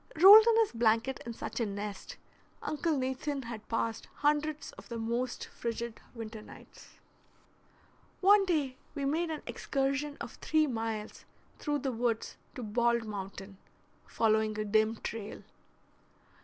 Rolled in his blanket in such a nest, Uncle Nathan had passed hundreds of the most frigid winter nights. One day we made an excursion of three miles through the woods to Bald Mountain, following a dim trail.